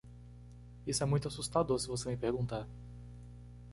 Isso é muito assustador se você me perguntar.